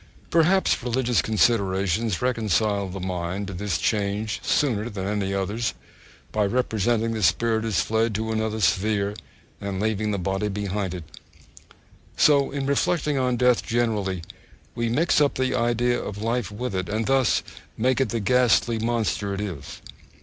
Perhaps religious considerations reconcile the mind to this change sooner than any others, by representing the spirit as fled to another sphere, and leaving the body behind it. So in reflecting on death generally, we mix up the idea of life with it, and thus make it the ghastly monster it is.